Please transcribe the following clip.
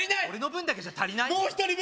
俺の分だけじゃ足りない？